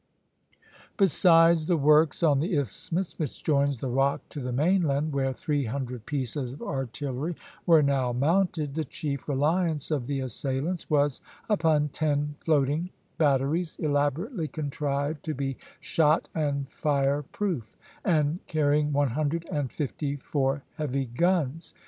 Besides the works on the isthmus which joins the Rock to the mainland, where three hundred pieces of artillery were now mounted, the chief reliance of the assailants was upon ten floating batteries elaborately contrived to be shot and fire proof, and carrying one hundred and fifty four heavy guns.